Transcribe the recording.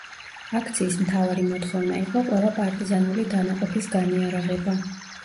აქციის მთავარი მოთხოვნა იყო ყველა პარტიზანული დანაყოფის განიარაღება.